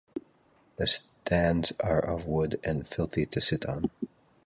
The stands are of wood and filthy to sit on.